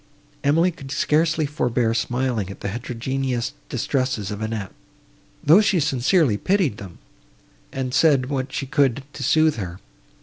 Emily could scarcely forbear smiling at the heterogeneous distresses of Annette, though she sincerely pitied them, and said what she could to sooth her.